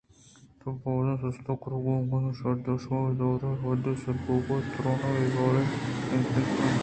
تو باز ستا کرزے کہ گوکانی شیر ءِ دوشگ ءَ بہ گر داں اے حدّءَ سر بوتگئے کہ ترٛند آپ ءِ بار ءِ دیمپانی ءَکنئے